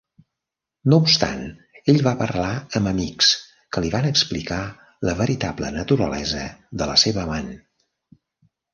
No obstant, ell va parlar amb amics que li van explicar la veritable naturalesa de la seva amant.